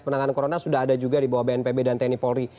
penanganan corona sudah ada juga di bawah bnpb dan tni polri